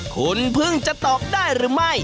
คุณเพิ่งจะตอบได้หรือไม่